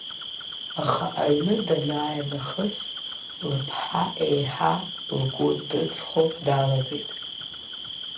Аха аҩны данааи нахыс лыԥҳа еиҳа лгәы дыҵхо далагеит.